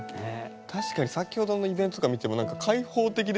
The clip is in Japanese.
確かに先ほどのイベントとか見ても何か開放的ですよね。